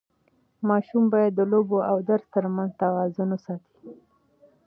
ماشوم باید د لوبو او درس ترمنځ توازن وساتي.